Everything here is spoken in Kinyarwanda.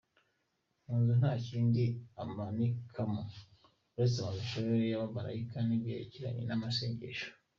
Mu nzu nta kindi amanikamo uretse amashusho y’abamalayika n’ibyerekaranye n’amasengesho.